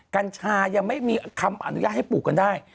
กัญชายังไม่มีคำอนุญาตให้ปลูกกันได้